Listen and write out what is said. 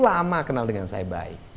lama kenal dengan saya baik